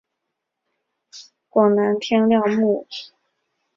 广南天料木为大风子科天料木属下的一个种。